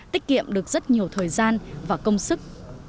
tiết kiệm được rất nhiều thời gian và công sức